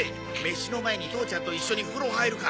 飯の前に父ちゃんと一緒に風呂入るか！